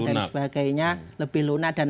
dan sebagainya lebih lunak dan